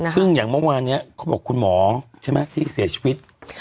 ซึ่งอย่างเมื่อวานนี้เขาบอกคุณหมอใช่ไหมที่เสียชีวิต